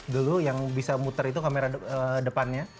dulu yang bisa muter itu kamera depannya